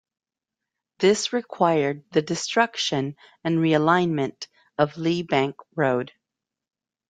This required the destruction and realignment of Lee Bank Road.